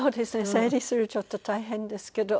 整理するのちょっと大変ですけど。